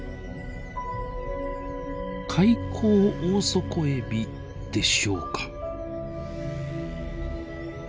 カイコウオオソコエビでしょうか？